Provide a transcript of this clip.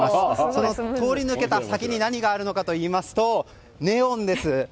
その通り抜けた先に何があるのかといいますとネオンです。